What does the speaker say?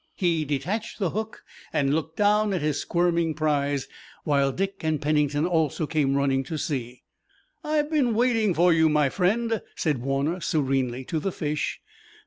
He detached the hook and looked down at his squirming prize, while Dick and Pennington also came running to see. "I've been waiting for you, my friend," said Warner serenely to the fish.